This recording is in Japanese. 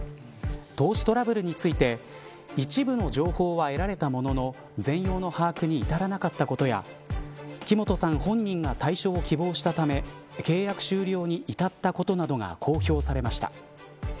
投資トラブルについて一部の情報は得られたものの全容の把握に至らなかったことや木本さん本人が退所を希望したため契約終了に至ったことなどが公表されました。